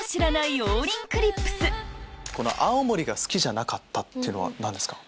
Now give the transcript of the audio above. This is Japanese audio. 「青森が好きじゃなかった」っていうのは何ですか？